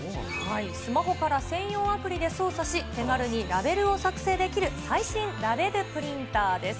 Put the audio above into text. スマホから専用アプリで操作し、手軽にラベルを作成できる、最新ラベルプリンターです。